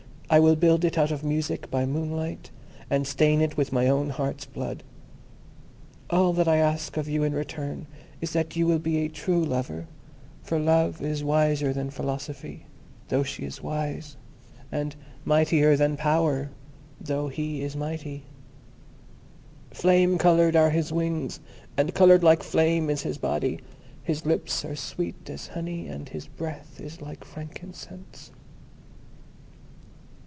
I will build it out of music by moonlight, and stain it with my own heart's blood. All that I ask of you in return is that you will be a true lover, for Love is wiser than Philosophy, though she is wise, and mightier than Power, though he is mighty. Flame coloured are his wings, and coloured like flame is his body. His lips are sweet as honey, and his breath is like frankincense."